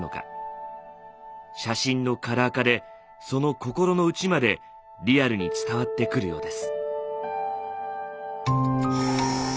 写真のカラー化でその心の内までリアルに伝わってくるようです。